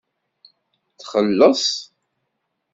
Txelleṣ.